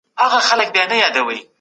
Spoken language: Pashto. ایا ټول خلک په سیاست کي برخه اخلي؟